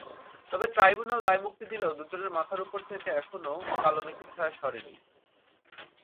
তবে ট্রাইব্যুনাল দায়মুক্তি দিলেও দুজনের মাথার ওপর থেকে কালো মেঘের ছায়া সরেনি এখনো।